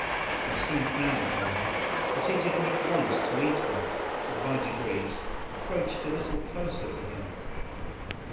They soon found, however, that he did not want to eat them, and by degrees approached a little closer to him.